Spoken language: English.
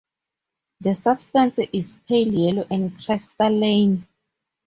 The substance is pale yellow and crystalline.